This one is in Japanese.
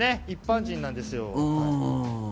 一般人なんですよ。